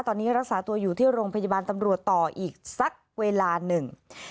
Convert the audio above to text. ตอนนี้รักษาตัวอยู่ที่โรงพยาบาลตำรวจต่ออีกสักเวลาหนึ่ง